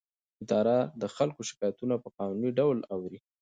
اداره د خلکو شکایتونه په قانوني ډول اوري.